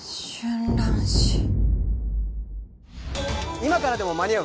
『今からでも間に合う！